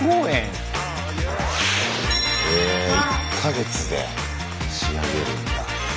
へえ１か月で仕上げるんだ。